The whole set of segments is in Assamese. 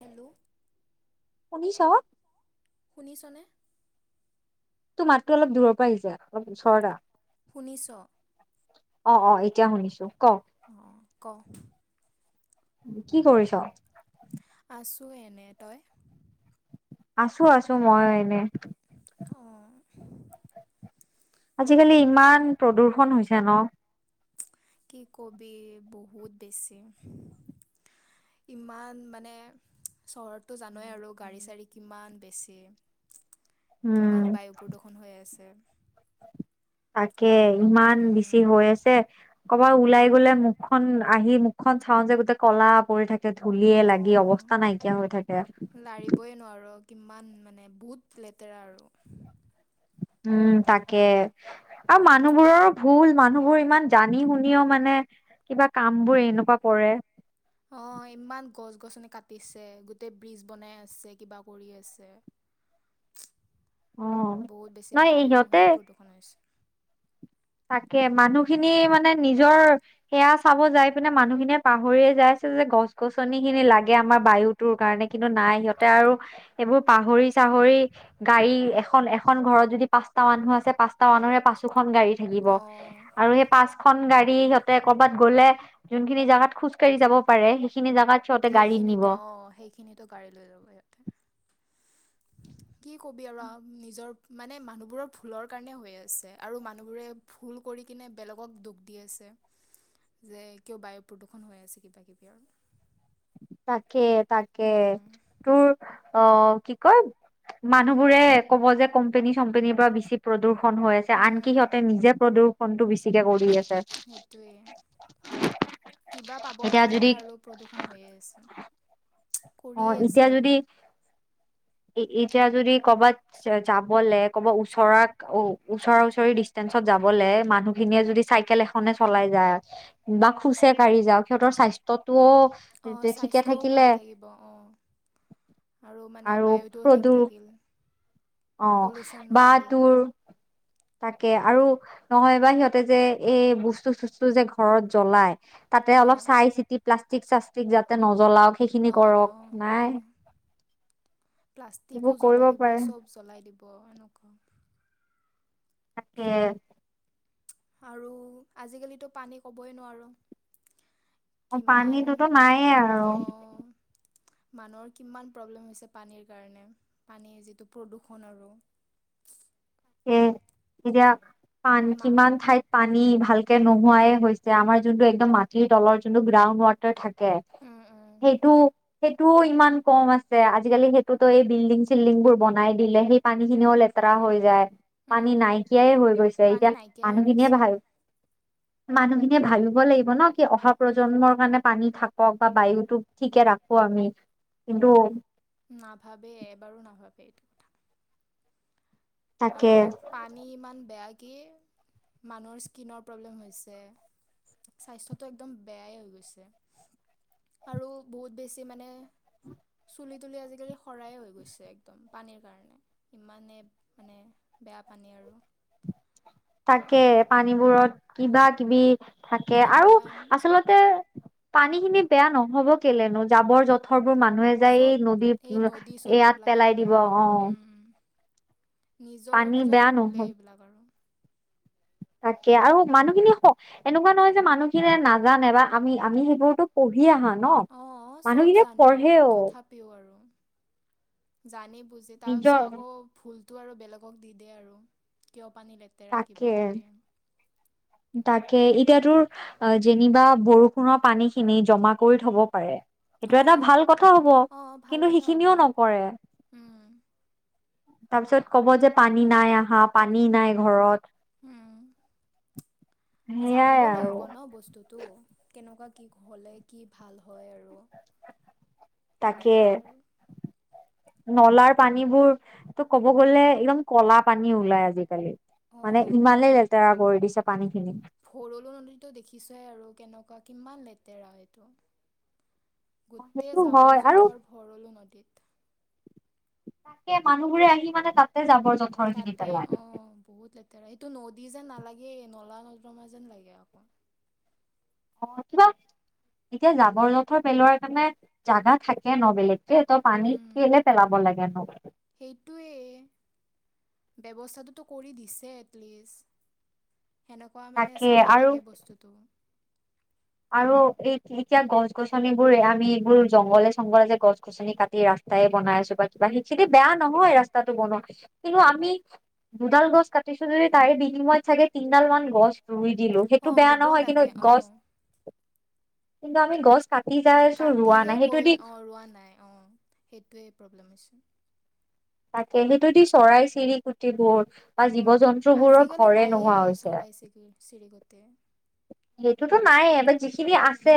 হেল্ল। শুনিছ? শুনিছ নে? তোৰ মাতটো অলপ দূৰৰ পৰা আহিছে, অলপ ওচৰত আহ। শুনিছ? অঁ অঁ, এতিয়া শুনিছোঁ ক? অঁ, ক। কি কৰিছ? আছোঁ এনেই, তই? আছোঁ আছোঁ মই এনেই। অঁ। আজিকালি ইমান প্ৰদূষণ হৈছে ন? কি কবি বহুত বেছি। ইমান মানে চহৰতটো জানই আৰু গাড়ী চাড়ী কিমান বেছি। [inaudible] কিমান বায়ু প্ৰদূ্ষণ হৈ আছে। তাকে, ইমান বেছি উম, হৈ আছে। অকমান ওলাই গ'লে মুখখন আহি মুখখন চাওঁ যে, গোটেই ক'লা পৰি থা কে ধূলিয়ে লাগি অৱস্থা নাইকিয়া হৈ থাকে। বই নোৱাৰোঁ, কিমান মানে বহুত লেতেৰা আৰু। উম, তাকে। আৰু মানুহবোৰৰো ভুল, মানুহবোৰ ইমান জানি শুনিও মানে কিবা কামবোৰ এনেকুৱা কৰে। অঁ, ইমান গছ গছনি কাটিছে, গোটেই ব্ৰীজ বনাই আছে, কিবা কৰি আছে। অ বহুত বেছি নাই বায়ু ইহঁতে হে প্ৰদূষণ হৈছে। তাকে মানুহখিনি মানে নিজৰ সেয়া চাব যাই পিনে মানুহখিনিয়ে পাহৰিয়ে যাইছে যে গছ গছনি খিনি লাগে আমাৰ বায়ু তোৰ কাৰণে, কিন্তু নাই সিহঁতে আৰু সেইবোৰ পাহৰি চাহৰি গাড়ী এখন এখন ঘৰত যদি পাঁচটা মানুহ আছে, পাঁচটা মানুহৰে পাচোখন গাড়ী থাকিব, অঁ আৰু এই পাঁচ খন গাড়ী সিহঁতে কৰ'বাত গ'লে যোনখিনি জাগাত খোজকাাঢ়ি যাব পাৰে, সেইখিনি জেগাত সেইখিনিত অঁ সেইখিনিত গাড়ী লৈ যাব ইহঁতে। কি কবি আৰু নিজৰ মানে মানুহবোৰৰ ভুলৰ কাৰণে হৈ আছে, আৰু মানুহবোৰে ভুল কৰি কিনে বেলেগক দু খ দি আছে, যে কিয় বায়ু প্ৰদূষণ হৈ আছে কিবাাকিবি আৰু। তাকে তাকে উম, তোৰ অ কি কয় মানুহবোৰে কব যে কম্পেনী চম্পেনীৰ পৰা বেছি প্ৰদূষণ হৈ আছে আনকি উম, সিহঁতে নিজে প্ৰদূষণটো বেছিকে কৰি আছে সেইটোৱে কিবা পাবৰ এতিয়া যদি কাৰণে আৰু প্ৰদূষণ হৈয়ে আছে অ কৰিয়ে আছে আৰু এ এতিয়া যদি ক'বাত যাবলে কবাত ওচৰাত ও ওচৰা ওচৰি ডিচষ্টেঞ্চত যাবলে মানুহখিনিয়ে যদি চাইকেল এখনে চলাই যায় বা খোছে কাঢ়ি যাওঁ সিহঁতৰ স্বাস্থ্যটোও ঠিকে স্বাস্থ্যও থাকিলে ভাল থাকিব অ অ আৰু মানে বায়ুটো ও ঠিক থাকিল অ পলিউচন বা নহ'ল তোৰ তাকে আৰু নহয় বা সিহঁতে যে এই বস্তু চস্তু যে ঘৰত জ্বলাই তাতে অলপ অ', চাই চিতি প্লাষ্টিক চাষ্টিক যাতে নজ্বলাওক সেইখিনি অ কৰক অ অ নাই প্লাষ্টিকো এইবোৰ কৰিব জ্বলাই দিব পাৰে চব জ্বলাই দিব এনেকুৱা তাকে আৰু আজিকালি ত পানী কবই নোৱাৰো অ কিমান পানীটোতো নাইয়ে আৰু অঁ মানুহৰ কিমান প্ৰব্লেম হৈছে পানীৰ কাৰণে পানীৰ যিটো প্ৰদূষণ আৰু এ এতিয়া পানী মা কিমান ঠাইত পানী ভালকে নোহোৱাই হৈছে আমাৰ যোনটো একদম মাটিৰ তলৰ যোনটো গ্ৰাউণ্ড ৱাটাৰ থাক কে উম উম সেইটোও সেইটোও ইমান কম আছে আজিকালি সেইটোতো এই বিল্ডিং চিল্ডিং বোৰ বনাই দিলে সেই পানী খিনিও লেতেৰা হৈ যায় পানী উম নাইকিয়াই হৈ গৈছে পানী এতিয়া নাইকিয়াই হৈ মানুহখিনিয়ে গৈছে ভাল মানুহখিনিয়ে ভাবিব লাগিব ন কি অহা উম, প্ৰজন্মৰ কাৰণে পানী থাক কক বা বায়ুটো ঠিকে ৰাখো আমি কিন্তু নাভাবে এবাৰো নাভাবে এইটো কথা তাকে আৰু পানী ইমান বেয়াকে মানুহৰ স্কিনৰ প্ৰব্লেম হৈছে স্বাস্থ্যটো একদম বেয়াই হৈ গৈছে আৰু বহুত বেছি মানে চুলি তুলি আজিকালি সৰাই হৈ গৈছে একদম পানীৰ কাৰণে ইমানে মানে বেয়া পানী আৰু তাকে পানীবোৰত কিবা কিবি থাকে কিবা আৰু আচলতে পানী খিনি বেয়া নহব কেলেনো জাবৰ যত থৰবোৰ মানুহে যায় চব এই এই নদীৰ নদী চদী এইয়াত এইবিলাকতে পেলাই দিব পেলায় অ [inaudible] উম নিজৰ, পানী নিজৰ বেয়া নহব ভুলেই এইবিলাক আৰু। তাকে আৰু মানুহখিনি স এনেকুৱা নহয় যে মানুহখিনিয়ে নাজানে বা আমি আমি সেইবোৰতো পঢ়ি আহা। ন অ' অ চব মানুহখিনিয়ে জানে, পঢ়েও তথাপ পিও আৰু, জানি বুজি তাৰপিছত নিজৰ আকৌ ভুলটো আৰু বেলেগক দি দে আৰু, কিয় পানী লেতেৰা তাকে কিবা-কিবি। তাকে এতিয়া তোৰ আ যেনিবা বৰষুণৰ পানী খিনি জমা কৰি থব পাৰে। সেইটো এটা অঁ ভাল কথা হব, অঁ ভাল কিন্তু কথা হ'ব সিখিনিও নকৰে। উম তাৰ পিছত ক'ব যে পানী নাই আহা, পানী নাই ঘৰত। উম, সেইয়াই জানিব আৰু লাগিব ন' বস্তুটো, কেনেকুৱা কি হ'লে কি ভাল হয় আৰু। তাকে। সেনেকে আৰু নলাৰ পানীবোৰ ত' ক'ব গ'লে একদম কলা পানী ওলাই আজিকালি। মানে অঁ ইমানেই লেতেৰা কৰি দিছে পানী খিনি। ভৰলো নদীটো দেখিছোৱেই আৰু কেনেকুৱা কিমান লেতেৰা এইটো। গোটেই সেইটো হয় জাবৰ আৰু যোঁথৰ ভৰলো নদীত। তাকে, মানুহবোৰে আহি মানে তাতে যাবৰ জ তাতে, অ', বহুত লেতেৰা সেইটো নদী যেন নালাগে, নলা নড্ৰমা যেন লাগে আকৌ। অ', কিবা এতিয়া জাবৰ জোথৰ পেলোৱাৰ কাৰণে জাগা থাকে ন' বেলেগ এই তই পানী উম কেলে পেলাব লাগে নু। সেইটোৱে। ব্যৱস্থাটো কৰি দিছে এটলিষ্ট। সেনেকুৱা মানে তাকে চাব আৰু লাগে বস্তুটো। আৰু এই এতিয়া গছ-গছনিবোৰে আমি এইবোৰ জংঘলে, চংঘলে যে গছ গছনি কাটি, ৰাস্তাইে বনাই আছো, বা কিবা সেইখিনি বেয়া নহয় ৰাস্তাটো বনোৱা, কিন্তু আমি দুডাল গছ কাটিছো যদি, তাৰে বিনিময়ত চাগে তিনডাল মান গছ ৰুই দিলো। অ সেইটো বেয়া ৰুব নহয়, লাগে কিন্তু অ। গছ কিন্তু আমি গছ কাটি যায় কাটিহে গৈ অ', ৰোৱা নাই, অ', সেইটোৱেই প্ৰব্লেম হৈছে। তাকে, সেইটো দি চৰাই চিৰিকুটিবোৰ বা অ জীৱ জন্তু বোৰৰ ঘৰে নোহোৱা হৈছে। চিৰিগতে সেইটোতো নাইয়ে, যিখিনি আছে,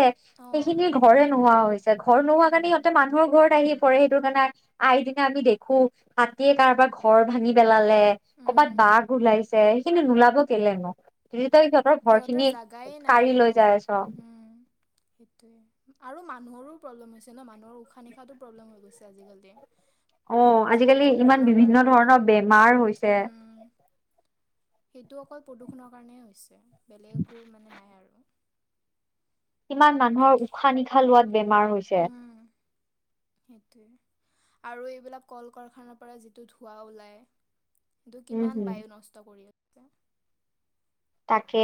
অ সেইখিনি ঘৰে নোহোৱা হৈছে, ঘৰ নোহোৱা কাৰণে উম। সিহঁতে মানুহ মানুহৰ ঘৰত আহি পৰে, সেইটো কাৰণে আহিকেনে আমি দেখো হাতি কাৰবাৰ ঘ ঘৰ ভাঙি পেলালে, কৰ'বাত উম, বাঘ ওলাইছে, সেইখিনি নোলাব কেলেইনো। যদি তই তাৰিহঁতৰ ঘৰ খিনি [unintelligible] নাই, অ', উম, সেইটোৱে। আৰু মানুহৰো প্ৰব্লেম হৈছে ন', মানুহৰ উশাহ নিশাটো প্ৰব্লেম হৈ গৈছে, আজিকালি। অ যিটো আজিকালি ইমান প্ৰদূৰষণৰ বিভিন্ন কাৰণে, ধৰণৰ বেমাৰ হৈছে উম, সেইটো অকল প্ৰদূষণৰ কাৰণে হৈছে, বেলেগ একো মানে নাই, আৰু। কিমান মানুহৰ উশাহ নিশাহ লোৱাত বেমাৰ হৈছে। উম, সেইটোৱে, আৰু এইবিলাক কল কাৰখানাৰ পৰা যিটো ধোঁৱা ওলায়। সেইটো উম কিমান হম বাইয়ো নষ্ট কৰি [unintelligible] তাকে,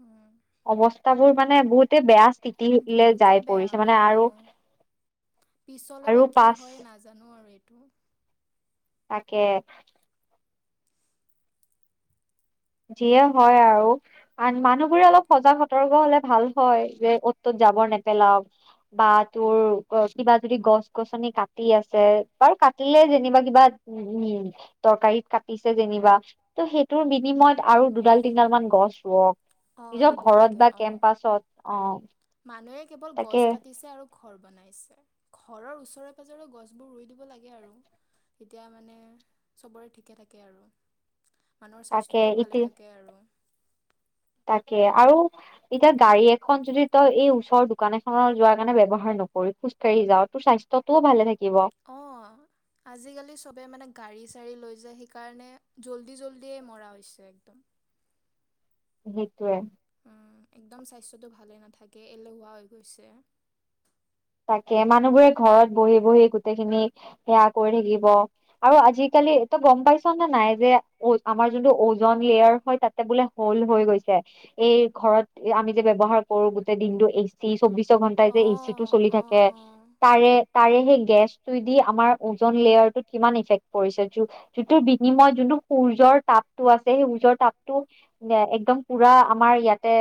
উম, অৱস্থাবোৰ মানে বহুতে বেয়া স্থিতিলে বহুতে যাই বেয়া, পৰিছে মানে আৰু অ', পিছলে আৰু বা কি পাছ হয়, নাজান জানো, আৰু এইটো। তাকে। যিয়ে হয়, আৰু আ মানুহবোৰে অলপ সজাগ সতৰ্ক হলে ভাল হয় যে অ'ত ত'ত জাবৰ নেপেলাও। বা তোৰ কিবা যদি গছ গছনি কাটি আছে বাৰু কাটিলে যেনিবা কিবা। উ উ তৰকাৰীত কাটিছে যেনিবা ত' সেইটোৰ বিনিময়ত। আৰু দুডাল তিনডাল মান গছ ৱক অঁ নিজৰ ৰুব ঘৰত লাগে বা অঁ কেম্পাচত অ মানুহে কেৱল তাকে গছ কাটিছে আৰু। ঘৰ বনাইছে। ঘৰৰ ওচৰে পাজৰে গছবোৰ ৰুই দিব লাগে আৰু। এতিয়া মানে চবৰে ঠিকে থাকে আৰু। মানুহৰ তাকে স্বাস্থ্যটোও ভালে ইতি থাকে আৰু। তাকে আৰু এতিয়া গাড়ী এখন যদি তই এই ওচৰৰ দোকান এখনৰ যোৱাৰ কাৰণে ব্যৱহাৰ নকৰি খোজ কাঢ়ি যাও তোৰ স্বাস্থ্যতটোও ভালে থাকিব। অঁ। আজিকালি চবে মানে গাড়ী-চাড়ী লৈ যায়, সেইকাৰণে, জল্দি-জল্দিয়ে মৰা হৈছে, একদম। সেইটোৱে। উম, একদম স্বাস্থ্যটো ভালে নাথাকে, এলেহুৱা হৈ গৈছে। তাকে, মানুহবোৰে ঘৰত বহি-বহি গোটেই খিনি সেয়া কৰি থাকিব। আৰু আজিকালিটো তই গম পাইছ নে নাই, যে আমাৰ যোনটো অজ'ন লেয়াৰ হয়, তাত বোলে হ'ল হৈ গৈছে, এই ঘৰত আমি যে ব্যৱহাৰ কৰো গোটেই দিনটো এ স চৌবিশ ঘণ্টাই যে এচি টো অঁ চলি অঁ থাকে। অঁ তাৰে-তাৰে সেই গেছটো দি, আমাৰ ওজন লেয়াৰটোত কিমান ইফেক্ট পৰিছে। যিটো বিনিময়, যোনটো সূৰ্যৰ তাপটো আছে, সেই সূৰ্যৰ তাপটো একদম পুৰা আমাৰ ইয়াতে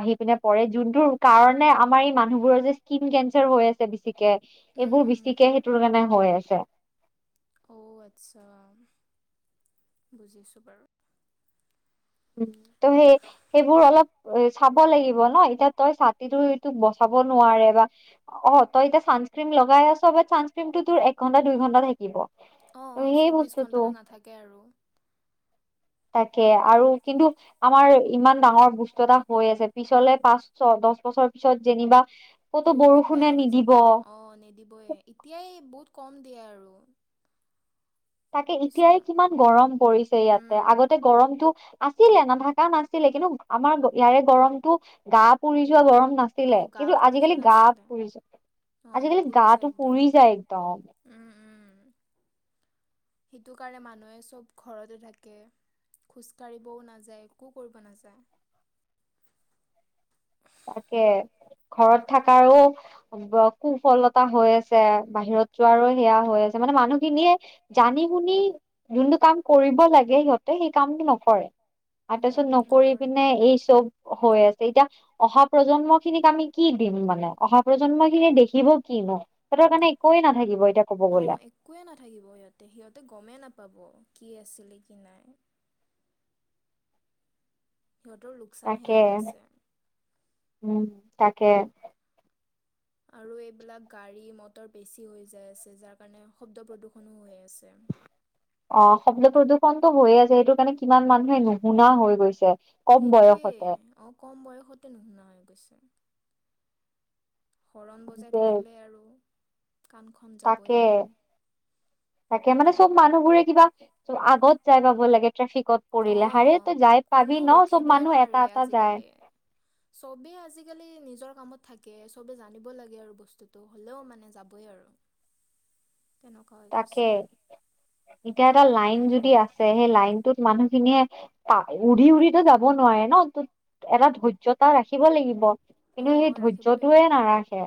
আহি পিনে পৰে, যোনটোোৰ কাৰণে আমাৰ এই মানুহবোৰৰ যে স্কিন কেঞ্চাৰ হৈ আছে বেছিকে, উম এইবোৰ উম বেছিকে সেইটোৰ কাৰণে হৈ আছে। অঔ, আচ্ছা, বুজিছো বাৰু। [unintelligible] সেইবোৰ অলপ চাব লাগিব ন! এতিয়া তই ছাতিটো এইটোক বচাব নোৱাৰে বা অ, তই এতিয়া চানস্ক্ৰীম লগাই আছ, বাট ছানস্ক্ৰীম টো তোৰ এক ঘণ্টা-দুই ঘণ্টা থাকিব। ত' অঁ, সেই চৌব্বিছ বস্তুটো ঘণ্টাটো নাথাকে আৰু। তাকে আৰু কিন্তু আমাৰ ইমান ডাঙৰ বস্তু এটা হৈ আছে, পিছলে পাঁচ ছ দহ বছৰ পিছত যেনিবা ক'তো বহুত বৰষুণে বেয়া হৈ যাব। নিদিব অ, নিদিবই, এতিয়াই বহুত কম দিয়ে আৰু। তাকে, এতিয়াই পিছত কিমান গৰম পৰিছে ইয়াতে, উম আগতে গৰমটো আছিলে, নাথাকা নাছিলে। কিন্তু আমাৰ ইয়াৰে গৰমতো গা পুৰি যোৱা গৰম নাছিল অ ছিলে, গা কিন্তু পুৰি যোৱা আজিকালি গা নাছিলে পুৰি য, অ আজিকালি পুৰি যায় গাটো একদম পুৰি যায় একদম। উম উম [inaudible] সেইটো কাৰণে মানুহে চব ঘৰতে থাকে। খোজকাঢ়িবও নাযায়, একো কৰিব নাযায়। তাকে, ঘৰত থাকাৰো কুফলতা হৈ আছে, বাহিৰত যোৱাৰো সেয়া হৈ আছে, মানে মানুহখিনিয়ে জানি শুনি যোনটো কাম কৰিব লাগে সিহঁতে, সেই কামটো নকৰে। আৰু ওহো তাৰছত নকৰি নকৰে পিনে, এই চব হৈ আছে, এতিয়া অহা প্ৰজন্ম খিনিক আমি কি দিম মানে, অহা প্ৰজন্ম খিনি দেখিব কিনো। সিহতৰ কাৰণে একোৱে নাথাকিব, এতিয়া ক'ব অ গ'লে। একোৱে নাথাকিব সিহঁতে, সিহঁতে গমেই নাপাব, কি আছিলে কি নাই। সিহঁতৰ লোক তাকে, উম, তাকে। আৰু এইবিলাক গাড়ী-মটৰ বেছি হৈ যাই আছে, যাৰ কাৰণে শব্দ প্ৰদূ্ষনো হৈ আছে। অ, শব্দ প্ৰদূষনটো হৈয়ে আছে, সেইটো কাৰণে কিমান মানুহে নুশুনা হৈ গৈছে। কম সেইটোয়ে, বয়সতে অ, কম বয়সতে নুশুনা হৈ গৈছে। হৰণ বজাই থাকিলে আৰু, কাণ খ তাকে, তাকে, মানে চব তেনেকুৱা কথা মানুহবোৰে কিবা ত আগত যাই পাব লাগে ট্ৰেফিকত অ পৰিলে হাৰে তই যাই পাবি কোনো ন চব ৰখিবই মানুহ এটা নোৱাৰে এটা যায় আজিকালি চবেই আজিকালি নিজৰ কামত থাকে সবেই জানিব লাগে আৰু বস্তুটো হ'লেও মানে যাবই আৰু [unintelligible] তেনেকুৱা হৈ তাকে গৈছে এতিয়া এটা লাইন যদি আছে সেই লাইনটোত মানুহখিনিয়ে উৰি উৰি ত যাব নোৱাৰে ন তোত এটা ধৈৰ্য্যতা ৰাখিব লাগিব। কিন্তু অঁ সেই ৰাখিব লাগিব ধৈৰ্য্যতোয়ে নাৰাখে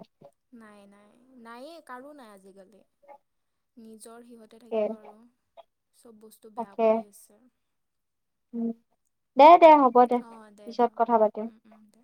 নাই নাই নায়ে কাৰো নাই আজিকালি নিজৰ সিহঁত থাকিব আৰু চব বস্তু বেয়া তাকে কৰি আছে দে দে হ'ব দে অঁ দে পিছত হ'ব কথা দে পাতিম উম উম দে